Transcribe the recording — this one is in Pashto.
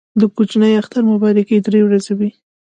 د کوچني اختر مبارکي درې ورځې وي.